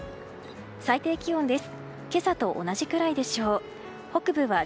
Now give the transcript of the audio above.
最低気温です。